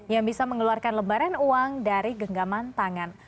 yang bisa mengeluarkan lembaran uang dari genggaman tangan